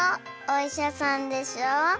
おいしゃさんでしょ